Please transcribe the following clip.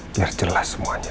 biar jelas semuanya